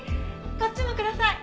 こっちもください！